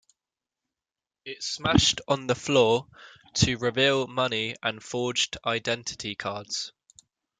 It smashed on the floor to reveal money and forged identity cards.